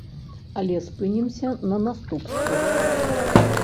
Але спынімся на наступствах.